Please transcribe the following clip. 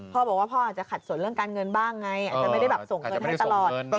พ่อบอกว่าพ่ออาจจะขัดสนเรื่องการเงินบ้างไงอาจจะไม่ได้แบบส่งเงินให้ตลอด